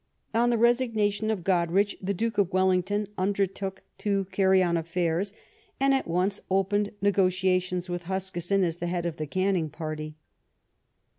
On the resignation of Goderich, the Duke of Welling ton undertook to carry on affairs, and at once opened negotiations with Huskisson, as the head of the Canning party.